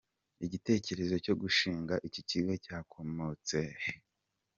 Igitekerezo cyo gushinga iki kigo cyakomotse he?.